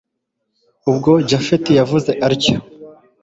ubwo japhet yavuze atyo